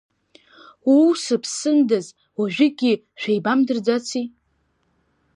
Уу, сыԥсындаз, уажәыгьы шәеибамдырӡаци?